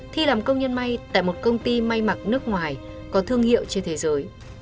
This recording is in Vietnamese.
thi làm công nhân may tại một công ty may mặc nước ngoài có thương hiệu trên thế giới